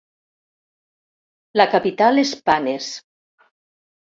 La capital és Panes.